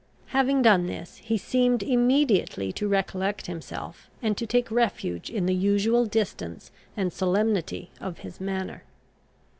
Having done this, he seemed immediately to recollect himself, and to take refuge in the usual distance and solemnity of his manner.